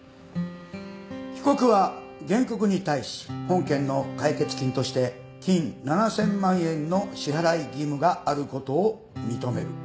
被告は原告に対し本件の解決金として金７，０００万円の支払い義務があることを認める。